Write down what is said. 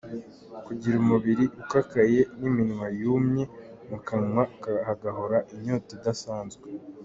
Kugira umubiri ukakaye n'iminwa yumye, mu kanwa hagahora inyota idasanzwe.